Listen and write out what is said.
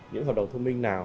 những hoạt động thông minh nào